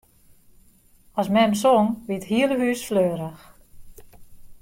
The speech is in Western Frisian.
As mem song, wie it hiele hûs fleurich.